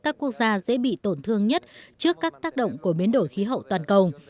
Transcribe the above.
nhiều quốc gia sẽ bị tổn thương nhất trước các tác động của biến đổi khí hậu toàn cầu